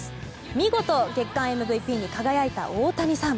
見事、月間ＭＶＰに輝いた大谷さん。